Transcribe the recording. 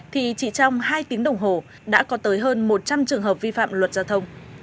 thì chỉ trong hai tiếng đồng hồ đã có tới hơn một trăm linh trường hợp an toàn giao thông